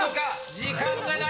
時間がない！